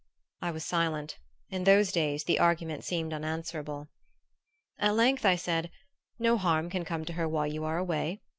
I was silent: in those days the argument seemed unanswerable. At length I said: "No harm can come to her while you are away.